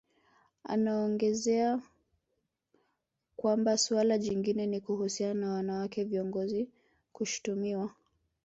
Anaongezea kwamba suala jingine ni kuhusiana na wanawake viongozi kushtumiwa